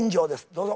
どうぞ。